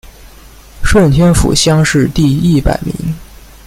顺天府乡试第一百名。